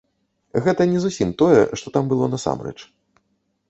Гэта не зусім тое, што там было насамрэч.